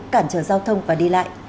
cản trở giao thông và đi lại